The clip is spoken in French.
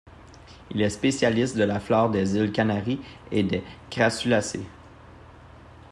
Il est spécialiste de la flore des îles Canaries et des Crassulacées.